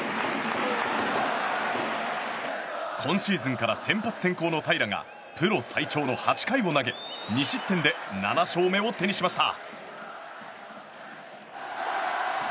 今シーズンから先発転向の平良がプロ最長の８回を投げ２失点で７勝目を手にしました。